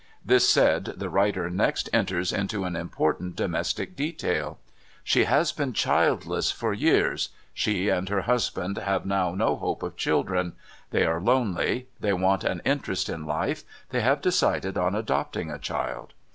This said, the writer next enters into an important domestic detail. She has been childless for years — she and her husband have now no hope of children ; they are lonely ; they want an interest in life ; they have decided on adopting a child.